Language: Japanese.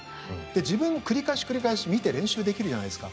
自分で繰り返し見て練習できるじゃないですか。